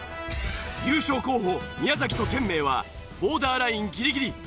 優勝候補宮崎と天明はボーダーラインギリギリ。